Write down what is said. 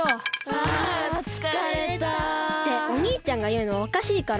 はあつかれた。っておにいちゃんがいうのはおかしいから！